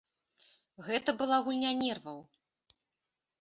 Гэта была гульня нерваў.